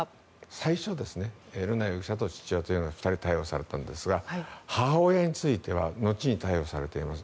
最初、瑠奈容疑者と父親の２人が逮捕されたんですが母親については後に逮捕されています。